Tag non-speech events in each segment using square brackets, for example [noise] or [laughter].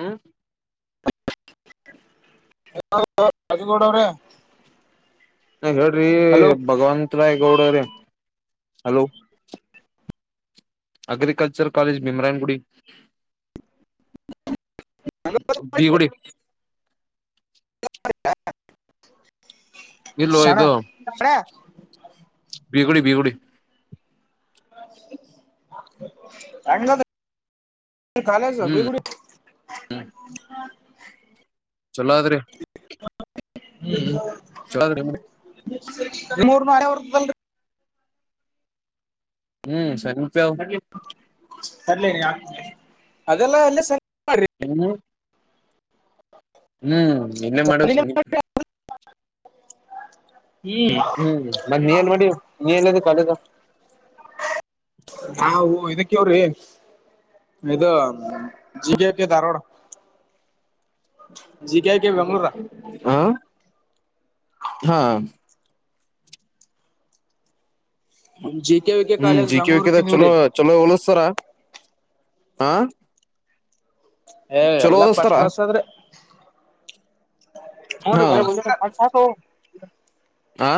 ಹಾ ಹಲೋ ರಾಜಗೋಡ ಅವರ ನ ಹೇಳ್ರಿ ಭಗವಂತ ರಾಯ್ ಗೌಡ್ರೀ ಹಲೋ ಅಗ್ರಿಕಲ್ಚರ್ ಕಾಲೇಜ್ ಬಿಿಮ್ರಾಯನ್ ಗುಡಿ ಬೀಗುಡಿ ಇಲ್ಲೋ ಶಣ ಇದು ಶಣ ಬೀಗುಡಿ ಬೀಗುಡಿ ಹಡ ಕಾಲೇಜ್ ಹ್ಮ್ ಬಿಗುಡಿ ಚಲೋ ಅದಿರೀ ಹ್ಮ ಚಡ ಮೂರ್ ನಾಳೆ ಹೂಡತದಲರೀ ಹ್ಮ್ ಸರಿ ಬೇವ ಅವು ಕಡ್ಲೆ ಸರಿ ಅದೆಲ್ಲ ಅಲ್ಲೇ ಸ ಏನು ಹ್ಮ್ ಇಲ್ಲೇ ಮಾಡೋ ಸರಿ ಹ ಹ್ಮ್ ಮತ್ತೆ ನೀ ಎಲ್ಲಿ ಮಾಡಿ ನೀ ಎಲ್ಲದ ಕಾಲೇಜ ನಾ ಇದಕ್ಕೆವ್ರಿ ಇದು ಜಿಗೆಕೆ ಧಾರವಾಡ ಜಿಕೆಕೆ ಬೆಂಗಳೂರು ಹ ಹಾ ಹುಚ್ಚಿ ಹ್ಮ್ ಜಿಕೆ ವಿಕೆದಗ ಚಲೋ ಚಲೋ ಓದಸಸ್ತಾರ ಹ ಏ ಎಲ್ಲಾ ಫಸ್ಟ್ ಚಲೊದಿಸ್ಥರಾ ಕ್ಲಾಸ್ ಆದ್ರೆ ಹ್ಞೂ ರೀ ಹಾ ಓದಿಸ್ತಾರ ಸಾಕ ಸಾಕವೂ ಆ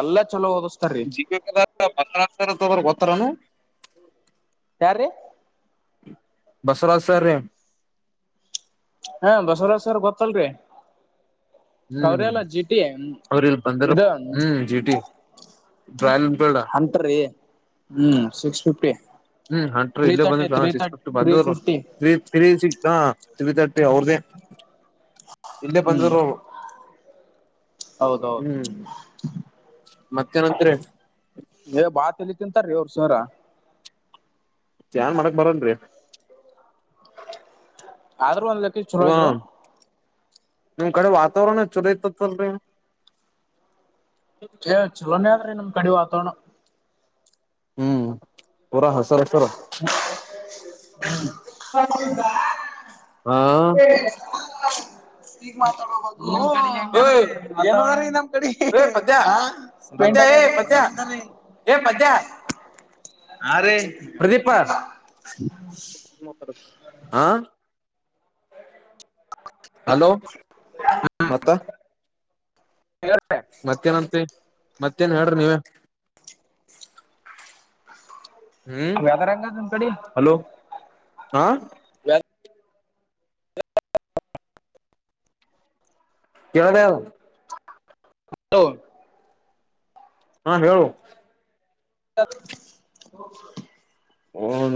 ಎಲ್ಲಾ ಚಲೋ ಓದಿಸ್ತಾರ್ರಿ ಜೀಕೆಕದ ಮನ್ನ ಆಕತಿರೋದು ಹೂತ್ತರ ಗೊತ್ತದನು ಯಾರೀ ಬಸವರಾಜ್ ಸರ್ ರೀ ಹಾ ಬಸವರಾಜ್ ಸರ್ ಗೊತ್ತಲ್ರಿ ಕವ್ರಿ ಹ್ಮ್ ಅಲ್ಲ ಜಿ ಟಿ ಅವ್ರಲ್ ಬಂದಿದರಪ್ಪ ಇದು ಹ್ಮ್ ಜಿಟಿ ರಾಯಲ್ ಬೇಡ ಹಂಟ್ರಿ ಹ್ಮ್ ಸಿಕ್ಸ್ ಫಿಫ್ಟಿ ಹ್ಮ್ ಅಂಟ್ರ ತ್ರೀ ಇಲ್ಲೇ ಬಂದಿ thirty three six thirty fifty three ಬಂದರು ಫಿಫ್ಟಿ ೀ ತ್ರೀ ಸಿ ತ್ರಿ ತಟ್ಟೆ ಅವ್ರದ ಇಲ್ಲೇ ಹ್ಮ್ ಬಂದಿದ್ರು ಅವರು ಹೌದೌದು ಹ್ಮ್ ಮತ್ತೆ ಏನಂತೀರಿ ಏ್ ಬಾ ತಿಲಿ ತಿಂತಾರೀ ಅವ್ರ ಸರ ಚನ್ ಮಾಡಕ್ ಬರನ್ರಿ ಆದ್ರ ಇ ನಿಮ್ ಕಡೆ ವಾತಾವರಣ ಚಲೈತ ತಲ್್ರ ಏ್ ಚಲೋನೇ ಆದ್ರಿ ನಮ್ದ ಕಡಿ ಬತೋಣ ಹ್ಮ್ ಪೂರ ಹಸ ಸರ ಹೌದ ಹಾ ಈಗಗ್ ಮಾತಾಡ್ಬಹುದು ಹ ಓಯ್ ಹೆಂಗದ್ರಿದ ನಮ್ ಕಡೆ ಏ ಪದ್ಯ ಸ್ಪ ಪದ್ಯ ಅದ ಏ ಪದ್ಯ ಏ ಪದ್ಯ ಹ ರೀ ಪ್ರದೀಪ ಹ ಹಲೋ ಮತ್ತ ಮತ್ತೇನತ್ರಿ ಮತ್ತೇನ್ ಹೇಳ್ರಿ ನೀವ ಹ್ಮ್ ವೆದರ್ ಹೆಂಗದ ನಿಮ್ ಕಡಿ ಹಲೋ ಹಾ ಕವಟ ಹಲೋ ಹಾ ಹೇಳು ಹ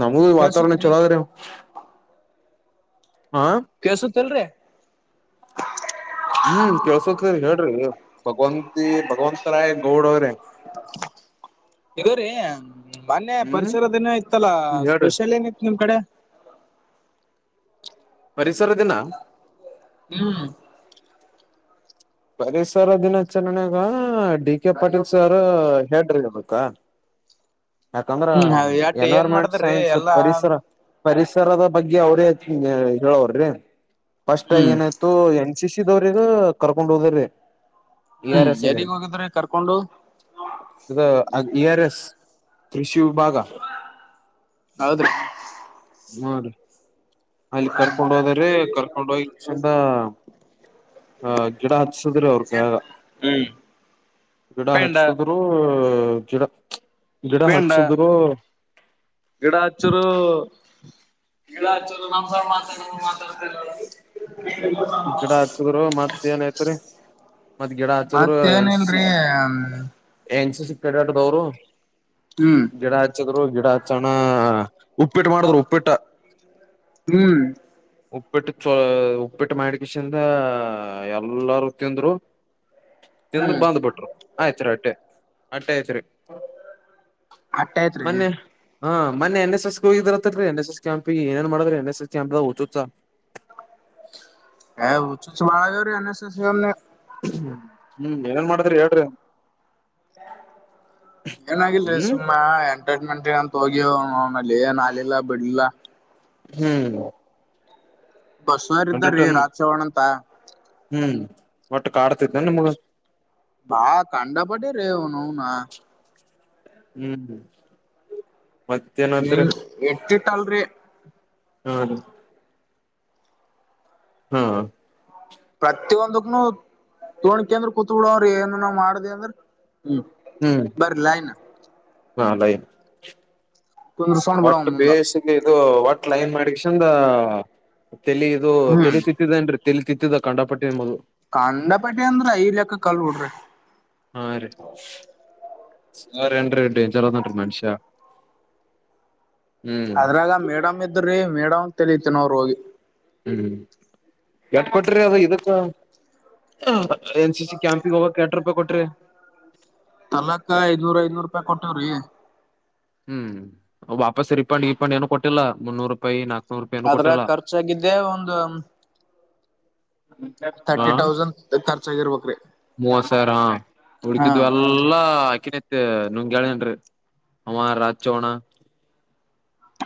ನಮಗೆ ವಾತಾವರಣ ಕೇಳ್ಸುತ್ರಿ ಚೊಲಾಾದರ ಕಸತ್ಲ್ರಿ ಹ್ಮ್ ಕೆೇಸತ್ ಹೇಳ್ರಿ ಭಗವಂತಿ ಭಗವಂತರಾಯ್ ಗೌಡ ಅವ್ರೇ ಇಗೋ್ರೀ ಮೊೆ ಹ್ಮ್ ಪರಿಸರದಏನ ಇತ್ತಲ್ಲಾ ಹೇಳ್ರಿ ಸ್ಪೆಷಲ್ ಏನಿ ನಿಮ್ ಕಡೆ ಪರಿಸರ ದಿನ ಹ್ಮ್ ಪರಿಸರ ದಿನಾಚರಣೆಾಗ ಡಿ ಕೆ ಪಾಟೀಲ್ ಸರ್ ಹೇಳ್ರಿರ್ಬೇಕಾ ಯಾಕಂದ್ರ ಹ್ಮ್ ಎಡ್ ಏನ್ ಎನ್ವೈರಮೆಂಟ್ ಮಾಡದ್ರಿ ಸೈನ್ಸ್ ಎಲ್ಲಾ ಪರಿಸರ ಪ ರ್ದ ಬಗ್ಗೆ ಅವ್ರೇ ಹೇಳವರ್ರಿ ಪಸ್ಟ್ ಹ್ಮ್ ಏನಾಯ್ತು ಎನ್ ಸಿ ಸಿ ದವ್ರಿಗ [unintelligible] ಹ್ಮ್ ಆರ್ ಎಸ್ ಗೆ ಯಾರಿಗ್ ಹೋಗಿದ್ರೆ ಕರ್ಕೊಂಡು ಇಆರ್ ಎಸ್ ಕೃಷಿ ವಿಭಾಗ ಹೌದ್ರಿ ಹ್ಮ ರೀ ಅಲ್ಲಿ ಕರ್ಕೊಂಡ್ ಹೋದ್ರೀ ಕರ್ಕೊಂಡ್ ಹೋಗಕ್ಷಿಂದ ಹ ಜಡ ಹಸದ್ರಿ ಅವ್ರಗಾಗ ಹ್ಮ್ ಗಿಡ ಪೇಂಡ ಹಚ್ಚಸಿದ್ರರು ಚಡಾ ಗಿಡ ಪೇಂಡ ಹಚ್ಚಸಿದ್ರು ಎಲ್ಲ ನಂಬರ್ ಮಾತಾ ಹ ಗಿಡ ಹಚ್ಚಿದ್ರು ಮತ್ತ್ ಏನ್ ಐತ್ರಿ ಮತ್ತ್ ಗಿಡ ಹಚ್ಚದ್ರು ಎನ್ಸ ಸಿ ಮತ್ತೇನಿಲ್ರಿ ಹ್ಮ್ ಎನ್ ಕೆಡಾಟದವರು ಗಿಡ ಹಚ್ಚದ್ರು ಗಿಡ ಹಚ್ಚೋಣ ಉಪ್ಪಿಟ್ಟು ಮಾಡಿದ್ರರು ಉಪ್ಪಿಟ್ಟ ಹ್ಮ್ ಹ್ಮ್ ಉಪ್ಪಿಟ್ಟು ಚ ಉಪ್ಪಿಟ್ಟು ಮಾಡಗಷಿಂದ ಎಲ್ಲಾರು ತಿಂದ್ರು ತಿಂದು ಬಂದ್ ಬಿಟ್ರು ಆಯ್ತ್ ರೀ ಅಟ್ಟೆ ಅಟ್ಟೆ ಆಯ್ತ್ ರೀ ಹತಯತ್ ರೀ ಮೊನ್ನೆ ಹಾ ಮೆ ಎನ್ ಎಸ್ ಎಸ್ಗೆ ಹೋಗಿರತ್ ರರಿನ್ ಎಸ್ ಎಸ್ ಕ್ಯಾಪ ಏನ್ ಮಾಡ್ರರಿನ್ ಎಸ್ ಎಸ್ ಕ್ಯಾಪ್ ತ್ತ ಹ ಊಸ್ ಮಾಡಳ ಅಸ್ನ ಹ್ಮ್ ಏನೇನ್ ಮಾಡದ್ರಿ ಹೇಳ್ರಿ ಏನಾಗಿಲ್ರಿ ಹ್ಮ್ ಸುಮ್ಮಾ ಎಂಟರ್ಟೈನ್ಮೆಂಟ್ ಅಂತ ಹೋಗಿ ನಲೆ ನಾಲಿಲ್ಲ ಬಿಡ್ಲಿಲ್ಲ ಹ್ಮ್ ಬಸವರ್ ಇದಾರೀ ಎಂಟರ್ಟೈನ್ ರಾಜ ಚವಣ ಅಂತ ಒಟ್ಟು ಕಾಡ್ತಿದ್ದ ನಿಮಗ ಬಾ ಕಂಡಪಟ್ಟ ರೇ ಅವನು ನ ಹ್ಮ್ ಮತ್ತೇನಾದ ಇಲ್ರಿ ಹ್ಮ ಹಾ ಪ್ರತಿಯೊಂದಕ್ಕನುೂ ತೋಣಕ ಅಂದ್ರ ಕುೂತ್ಬಡ ಅವ್ರ ಏನು ನ ಮಾಡ್ದಿ ಅಂದ್ರ ಹ್ಮ್ ಬರ್ಲಾಯನ ಹಾದೈ ಕುಂದ್ರಸೊಂಡ್ ಬಿಡವ ಒಟ್ಟು ಮುಂದ ಬೇಸಿಗೆ ಇದು ಒಟ್ಟ ಕ್ಲೈಮ್ ಮಾಡಕ್ ಚಂದ ತಲಿ ಇದು ಹ್ಮ್ ತಲಿ ಸಿತ್ತಿದೇನ್ರಿ ತಿಳತಿತ್ತಿದ್ದ ಕಂಡ ಪಟ್ಟಿನ ಮದು ಕಂಡಪಟೆ ಅಂದ್ರ ಐ ಲೆಕ್ಕ ಕಲ್ಬಡ್ರಿ ಹಾ ರೀ ಸ ರನ್ಟ ಚಲೋ ನಟ ಮನುಷಾ ಅದ್ರಾಗ ಮೇಡಮ್ ಇದ್ರಿ ಮೇಡಮ ಅಂತಳಿತನ ಅವ್ರು ಹೋಗಿ ಹ್ಮ್ ಎಟ್ ಕೊಟ್ರಿ ಅದು ಇದಕ್ಕ ಎನ್ ಸಿ ಸಿ ಕ್ಯಾಂಪಿಂಗ್ ಹೋಗ ಕೆ್ಯಾಟ್ರಪ್ಪ ಕೊಟ್ರೆ ತಲಕ ಐದ್ನೂರ್ ಐದ್ನೂರ್ ಕೊಟ್ಟವ್ರಿ ಹ್ಮ್ ವಾಪಸ್ ರಿಫಂಡ್ ಇಫಂಡ್ ಏನು ಕೊಟ್ಟಿಲ್ಲ ಮುನ್ನೂರು ರೂಪಾಯಿ ನಾಕ ಅದ್ರ ಖರ್ಚಾಗಿದ್ದೆ ಒಂದು ಹ ಖರ್ಚಾಗಿರ್ಬೇಕ್ರಿ ಮೋವಸರ ಹಾ ಉಡುಕಿದ ಎಲ್ಲ ಹಾಕಿನ ನಂಗ್ಗೆಳನ್ರಿ ಅವ ರಚೋಣ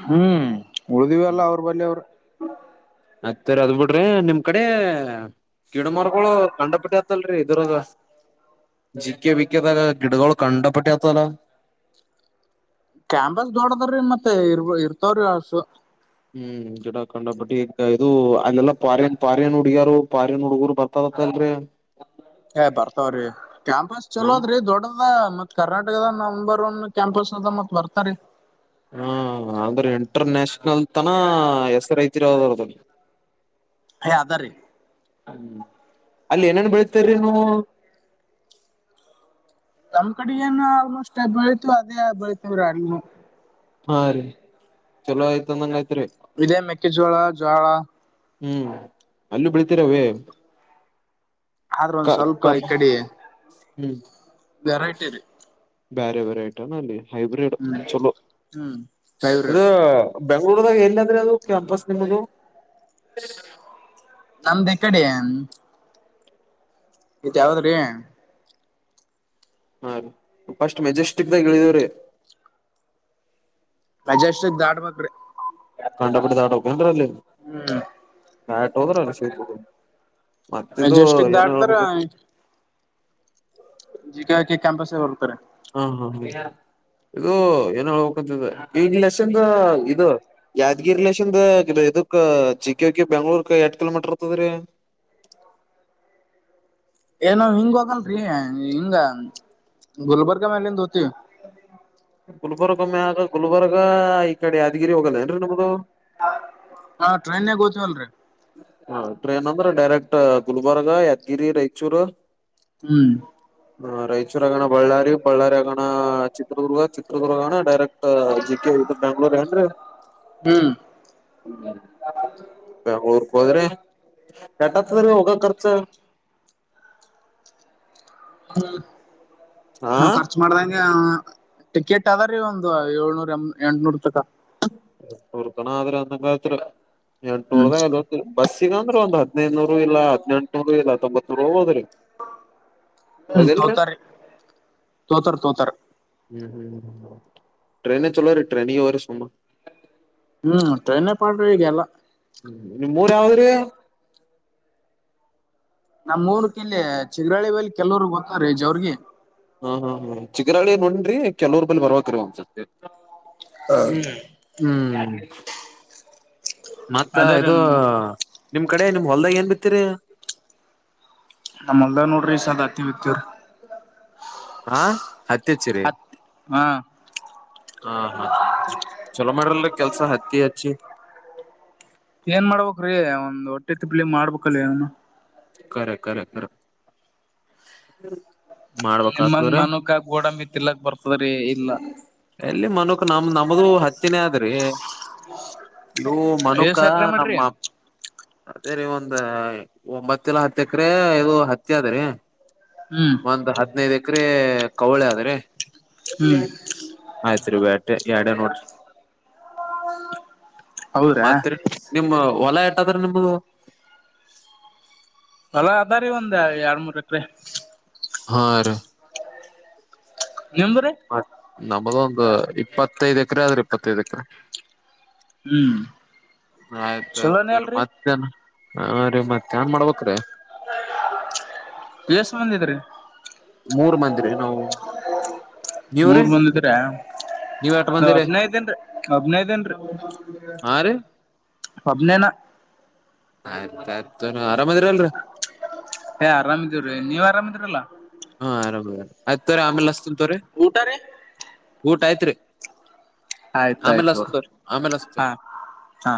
ಹ್ಮ್ ಉಳಿದಿವ ಅಲ್ಲ ಅವರು ಬನ್ನಿ ಅವ್ರು ಮತ್ತೇರಿ ಅದ್ ಬಿಿಡ್ರಿ ನಿಮ್ ಕಡೆ ಗಿಡ ಮರಗಳು ಕಂಡಪಟ್ಟಿ ಆತಲ್ರಿ ಇದರ ಜಿಕ್ಕ ಬಿಕ್ಕದಾಗ ಗಿಡಗಳು ಕಂಡಪಟ್ಟಿ ಆತಲ್ಲ ಕ್ಯಾಂಪಸ್ ದೊಡದ್ರೀ ಮತ್ತೆ ಇರ್ ಇರ್ತವ್ರಿ ಅಸ ಹ್ಮ್ ಗಿಡಕಂಡ ಬಟ್ಟಿ ಈಗ ಇದು ಅಲ್ಲೆಲ್ಲಾ ಪಾರ್ಯನ್ ಪಾರ್ಯನ್ ಹುಡುಗ್ಯಾರ ಪಾರ್ಯನ್ ಹುಡುಗರು ಬರ್ತದತ್ತಲ್ರಿ ಏ ಬರ್ತಾವ್ರೀ ಕ್ಯಾಂಪಸ್ ಹಾ ಚಲೋ ಅದ್ರೀ ದೊಡ್ಡ ಮತ್ ಕರ್ನಾಟಕದ ನಂಬರ್ ಒನ್ ಕ್ಯಾಂಪಸ್ ಅದ ಮತ್ ಬರ್ತಾರೆ ಹಾ ಅಂದ್ರೆ ಇಂಟರ್ನ್ಯಾಷನಲ್ ತನ ಹೆಸರಐತಿರೋದ್ರದ ಏ ಅದ್ರೀ ಹ್ಮ್ ಅಲ್ಲಿ ಏನನ್ ಬೆಳತರಿಿ ನೀ ತಮ್ಮ್ ಕಡೆಗೇನು ಆಲ್ಮೋಸ್ಟ್ ಬೆಳಿತು ಅದೇ ಬೆಳತವ್ರ ನೀವು ಹಾ ರೀ ಚಲೋ ಆಯ್ತ ಅಂದಂಗ ಯ್ತ್ರಿ ಇದೇ ಮೆಕ್ಕೆಜೋಳ ಜೋಳ ಹ್ಮ್ ಅಲ್ಲೂ ಬೆಳತಿೀರಾವೇ ಆದ್ರ ಒಂದ್ ಸ್ವಲ್ಪ ಈ ಕಡೆ ಹ್ಮ್ ವಾರ ಟಲ್ಲಿ ಬೇರೆ ಬರ ೈಟನ ಅಲ್ಲಿ ಹೈಬ್ರಿಡ್ ಹ್ಮ್ ಚಲು ಹ್ಮ್ ಇದು ಫೇವ್ರೇಟ್ ಬೆಂಗಳೂರ್ದಾಗ ಎಲ್ಲಾದ್ರೆ ಅದು ಕ್ಯಾಂಪಸ್ ನಿಮ್ಮದು ನಮ್ದು ಇಕಡೆ ಇತ್ ಯಾವದ್ರೀ ಹ ಪಸ್ಟ್ ಮೆಜೆಸ್ಟಿಕ್ ದಾಗ ಇಳಿದೇವ್ರೀ ಮಜಾಷ್ಟಿಕ್ ದಾಟ್ ಬೆಕ್ರಿ ಕಂಡ ಪುಟ್ಟ ತಾಟ ಹೋಗಕೆ ಅ ಹ್ಮ್ ನಾಟ ಹೋದ್ರಲ್ಲ ಸೇ ಮಜೆಸ್ಟಕ್ ದಾಟದರ ಜಿಗಕೆ ಕ್ಯಾಂಪಸ್ ಹೋಗರ್ತಾರೆ ಹಾ ಹಾ ಇದು ಏನ್ ಹೇಳ್ಬೇಕಂತ ಈನ್ ಲಲೆಷನ್ ಇದು ಯಾದಗಿರಿ ಲಷನ್ ಇದಕ್ ಚಿಕ್ಕಕ್ಕಿ ಬೆಂಗ್ಳೂರ್ಕ್ ಎಟ್ ಕಿಲೋಮೀಟರ್ ಇರ್ತದ್ರೀ ಏನಾವ್ ಹಿಂಗ ಹೋಗಲ್ರಿ ಹಿಂಗ ಗುಲ್ಬರ್ಗಾ ಮೇಲಿಂದ ಹೋತೀವಿ ಗುಲ್ಬರ್ಗ ಮ ಆಗ ಗುಲ್ಬರ್ಗ ಈಗ ಈ ಕಡೆ ಆದಾದಗಿರಿ ಹೋಗಲ್ಲೇನ್ರಿ ನಮ್ದದು ಹಾ ಟ್ರೈನ್ಗ್ ಹೋತವಲ್ರಿ ಹಾ ಟ್ರೇನ್ ಅಂದ್ರೆ ಡೈರೆಕ್ಟ್ ಗುಲ್ಬರ್ಗ ಯಾದಗಿರಿ ರೈಚೂರು ಹ್ಮ್ ಹ ರಾಯಚೂರ್ ಆಗೋಣ ಬಳ್ಳಾರಿ ಬಳ್ಳಾರಿ ಆಗೋಣ ಚಿತ್ರದುರ್ಗ ಚಿತ್ರದುರ್ಗ ಆಗಣ ಡೈರೆಕ್ಟ್ ಜಿ ಕೆ ಇದ ಬೆ್ಯಾಂಗ್ಳೂರ್ ಏನ್ೀ ಹ್ಮ್ ಹ್ಮ ಬ ಊರ್ಕ್ ಹೋದ್ರೆ ಗಟಾತ್ ಹೋಗ ರ್ಚ ಹ್ಮ ಹಾ ನಾ್ ಖರ್ಚು ಮಾಡ್ದಂಗೆ ಟಿಕೆಟ್ ಅದಾರೀ ಒಂದು ಏಳ್ನೂರ ಎಂಟನೂರ್ ತಕ ುರ್ಕಣ ಆದದ್ರ ಅಂದಂಗ ಎ ಹ್ಮ್ ಟರ್ದಾಗ ಎಲ್ಲ ಬಸ್ ಈಗಂದ್ರೆ ಒಂದ ಹದ್ೈದುನೂರು ಇಲ್ಲ ಹದ್ೆಂಟನೂರು ಇಲ್ಲ ತೊಂಬತ್ೂರು ಹೋದ್ರಿ ಹ್ಮ ತೋತರಿ ತೋತರ್ ತೋತರ್ ಹ್ಮ್ ಹ್ಮ್ ಹ ಟ್ರೈನನೆ ಚಲೋ ರೀ ಟ್ರೈನ ಅವ ರೀ ಸುಮ ಹ್ಮ್ಟನ್ನೇ ಪಾಡ್ ಹಗೆಲ್ಲ ಹ್ಮ ನಿಮ್ ಮೂರ್ ಯಾವದ್ರಿ ನಮ್ಮ ಮೂರು ಕಲ್ಲಿ ಚಿಗರಾಳಿ ವಲ್ಲಿ ಕೆಲವರುಿಗೆ ಗೊತ್ತಾರೆ ರಜ ಅವ್ರಿಗೆ ಹಾ ಹಾ ಹಾ ಚಿಕ್ಕರಹಳ್ಳಿ ನೋಡನ್್ರಿ ಕೆಲವರ್ ಬಲ್ಲಿ ಬರ್ಬೇಕ ರೀ ಒಂದ್ಸಸ್ತಿ ಹೌ ಹ್ಮ್ ಹ್ಮ್ ಮತ್ತ ಅದೇ ರೀ ಇದು ನಮ್ಮೂರ್ ನಿಮ್ ಕಡೆ ನಿಮ್ ಹೊಲ್ದಾಗ ಏನ್ ಬಿ ಕತ್ತ್ರ ನಮ್ಮ ಹೊಲದಾಗ ನೋಡ್ರಿ ಈ ಸದ್ದ ಹತ್ತಿ ಬಿತ್ತಿವಿ ಹಾ ಹತ್ತಿ ಹಚ್ಚಿರಿ ಹಾ ಹ ಹ ಚಲೋ ಮಾಡ್ರಲ್ ಕೆಲ್ಸ ಹತ್ತಿ ಹಚ್ಚಿ ಏನ್ ಮಾಡ್ಬೇಕ್ರೀ ಒಂದ್ ಹೊಟ್ಟಿ ತಿಪ್ಲಿಗಿ ಮಾಡ್ಬೇಕಲ್ ಏನನ ಕರೆ ಕರೆ ಕರೆ ಹ್ಮ್ ನಿಮ್ಮಂಗ ಮನಕ ಗೋಡಂಬಿತಿಲ್ಲಕ್ ಬರ್ತದ್ರಿ ಇಲ್ಲ ಎಲ್ಲಿ ಮನಕ್ ನಮ ನಮ್ದು ಹತ್ತಿ ನೇ ಆದ ತೇಗಿ ಇವು ಮನುಕ ಎಷ್ಟ್ ಎಕ್ರೆ ನಮ್ಮ ಮಾಡ್ರಿ ಅದೇ ರೀ ಒಂದು ಒ ಒಂಬತ್ತಲ್ಲ ಹತ್ತ ಎಕರೆ ಇದು ಹತ್ತಿ ಅದ್ರೀ ಹ್ಮ್ ಒಂದ ಹದಿನೈದು ಎಕರೆ ಅ್ರೆ ಕವಳ ಆದರೆ ಆದ್ರಿ ಹ್ಮ್ ಆಯ್ತ್ ರೀ ಬಟ್ಟ ಎರಡ ನೋಡ್ರಿ ಹೌದ್ರಾ ಮತ್ರೀ ನಿಮ್ಮ ಹೊಲ ಎ ಅಂದ್ರೆ ನಂಬೋದು ಹೊಲ ಅದಾ ರೀ ಒಂದ ಎರಡ್ ಮೂರ್ ಎಕ್ರ ಹಾ ರ ನಿಮ್ದ್ರಿ ಮತ್ ನಮ್ಮದು ಒಂದು ಇಪ್ಪತ್ತೈದು್ ಎಕರೆ ಆದ್ರಿ ಇಪ್ಪತ್ತೈದು ಎಕರೆ ಹುಮ್ಮ್ ಆಯ್ತ ಆಯ್ತು ರೀ ಮತ್ತೇನ ಹಾ ರೀ ಮತ್ತೆ ಹ್ಯಾಂಗ್ ಮಾಡ್ಬೇಕ್ರೀ ಎಸ್ ಮಂದಿ ಅದಿರಿ ಮೂರ್ ಮಂದಿರಿ ನಾವು ನೀವ್ರೀ ಮೂರ್ ಮಂದಿ ಅದ್ರ್ಯ್ ನೀವ್ ಎಟ್ ಬಂದಿರಿ ಹದನೈದೇಏನ್ ಹದನೈದೇಏನ್ರೀ ಹಾ ರೀ ಒಬ್ಬನೆನಾ ಆಯ್ತ್ ಆಯ್ತು ತೊರೀ ಆರಾಮ್ದಿರ ಅಲ್ರ ಏ ಆರಾಮಿದೀವ್ರೀ ನೀವ್ ಆರಾಮಿದಿ್ರಲ್ಲಾ ಹಾ ಆರಾಮ್ಅದೀವಿ ಆಯ್ತಾ ತಗೋರಿ ಆಮೇಲೆ ಹಚ್ತಿನಿ ಊಟ ರೀ ಊಟ ಆಯ್ತ್ ರೀ ಆಯ್ತ ಆಯ್ತು ತೋರಿ ಹಸ್ತೋರಿ. ಹಾ ಹಾ